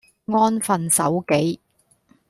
安分守己